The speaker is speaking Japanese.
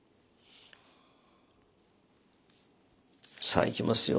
さあいきますよ。